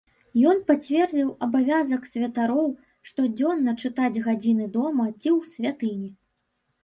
Ён пацвердзіў абавязак святароў штодзённа чытаць гадзіны дома ці ў святыні.